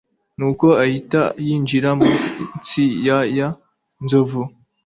nuko ahita yinjira mu nsi ya ya nzovu